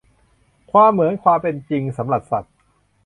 ความเหมือนเป็นความจริงสำหรับสัตว์